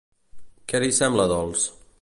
Què li sembla dolç?